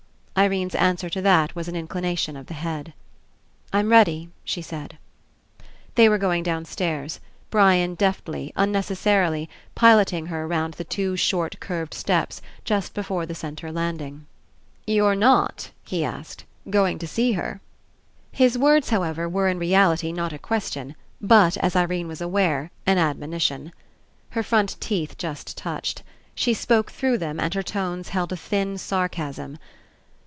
Irene's answer to that was an inclina tion of the head. "I'm ready," she said. They were going downstairs, Brian deftly, unnecessarily, piloting her round the two short curved steps, just before the centre landing. 93 PASSING "You're not," he asked, "going to see her?" His words, however, were In reality not a question, but, as Irene was aware, an admoni tion. Her front teeth just touched. She spoke through them, and her tones held a thin sar casm.